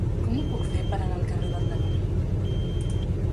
Com ho puc fer per anar al carrer del Danubi?